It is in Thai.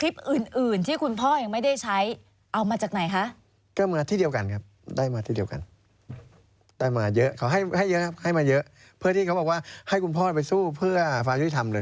ที่เขาบอกว่าให้คุณพ่อไปสู้เพื่อความยุติธรรมเลย